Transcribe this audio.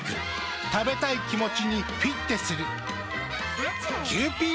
食べたい気持ちにフィッテする。